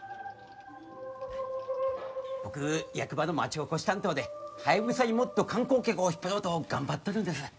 僕役場の町おこし担当でハヤブサにもっと観光客を引っ張ろうと頑張っとるんです。